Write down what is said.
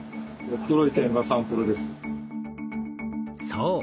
そう。